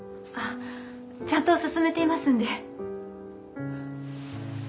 あっちゃんと進めていますんで。